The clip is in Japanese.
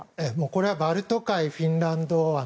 これはバルト海フィンランド湾